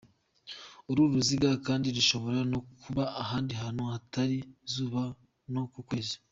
Uru ruziga kandi rushobora no kuba ahandi hantu atari ku zuba no ku kwezi.